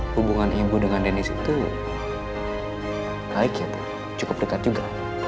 hubungan ibu dengan dennis itu baik gitu cukup dekat juga